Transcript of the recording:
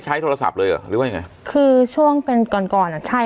โทรศัพท์เลยเหรอหรือว่ายังไงคือช่วงเป็นก่อนก่อนอ่ะใช่